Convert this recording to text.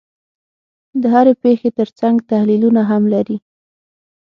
د هرې پېښې ترڅنګ تحلیلونه هم لري.